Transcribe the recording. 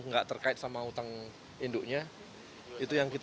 enggak terkait sama utang induknya itu yang kita ya kan kita utamakan supaya nasabah bisa